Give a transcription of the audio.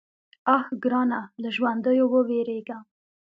_اه ګرانه! له ژونديو ووېرېږه.